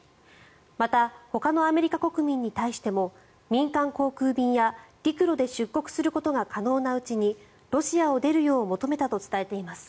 またほかのアメリカ国民に対しても民間航空便や陸路で出国することが可能なうちにロシアを出るよう求めたと伝えています。